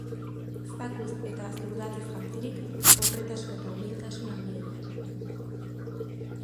Zakuz eta zurdatzez jantzirik pobretasun eta umiltasun handienean.